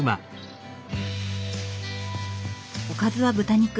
おかずは豚肉。